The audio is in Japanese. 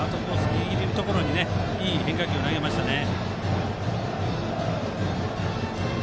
ぎりぎりのところにいい変化球を投げましたね。